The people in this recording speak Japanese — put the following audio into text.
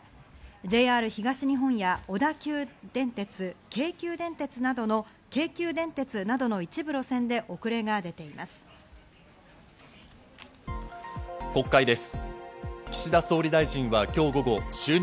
ＪＲ東日本や小田急電鉄、京急電鉄などの一部路線で遅れが出ています。